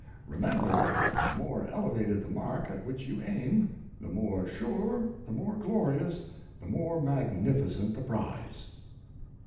Remember, the more elevated the mark at which you aim, the more sure, the more glorious, the more magnificent the prize."